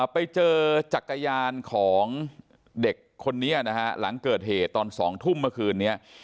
ไปเจอจักรยานของเด็กคนนี้นะฮะหลังเกิดเหตุตอน๒ทุ่มเมื่อคืนนี้